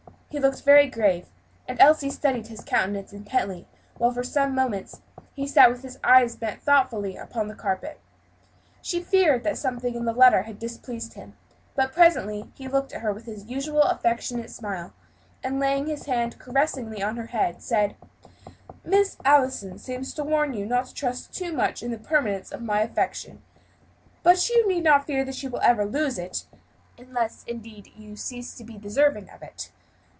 He looked very grave, and Elsie studied his countenance intently while, for some moments, he sat with his eyes bent thoughtfully upon the carpet. She feared that something in the letter had displeased him. But presently he looked at her with his usual affectionate smile, and laying his hand caressingly on her head, said, "Miss Allison seems to warn you not to trust too much to the permanence of my affection; but you need not fear that you will ever lose it, unless, indeed, you cease to be deserving of it.